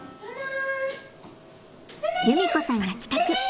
優美子さんが帰宅。